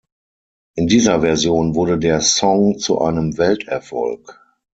In dieser Version wurde der Song zu einem Welterfolg.